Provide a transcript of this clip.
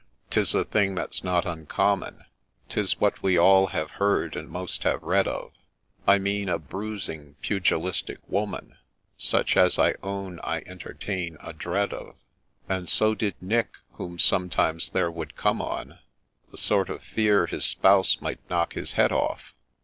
— 'tis a thing that 's not uncommon, 'Tis what we all have heard, and most have read of, — I mean, a bruising, pugilistic woman, Such as I own I entertain a dread of, — And so did Nick, whom sometimes there would come on A sort of fear his Spouse might knock his head off.